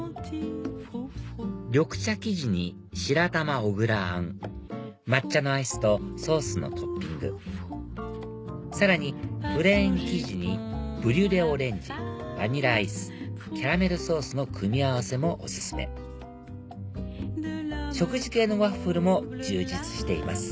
緑茶生地に白玉小倉あん抹茶のアイスとソースのトッピングさらにプレーン生地にブリュレオレンジバニラアイスキャラメルソースの組み合わせもお勧め食事系のワッフルも充実しています